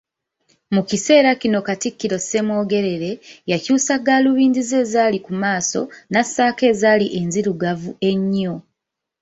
Mu kiseera kino Katikkiro Ssemwogerere, yakyusa galubindi ze ezaali ku maaso, nassaako ezaali enzirugavu ennyo.